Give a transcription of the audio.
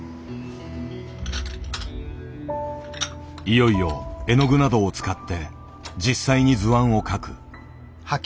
いよいよ絵の具などを使って実際に図案を描く。